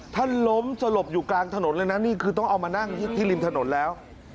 ท่านล้มสลบอยู่กลางถนนเลยนะนี่คือต้องเอามานั่งที่ริมถนนแล้ว